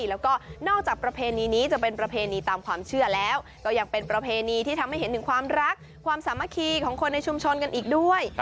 แล้วก็นอกจากประเพณีนี้จะเป็นประเพณีตามความเชื่อแล้วก็ยังเป็นประเพณีที่ทำให้เห็นถึงความรักความสามัคคีของคนในชุมชนกันอีกด้วย